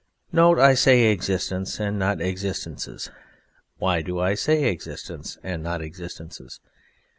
Note, I say "existence" and not "existences." Why do I say "existence", and not "existences"?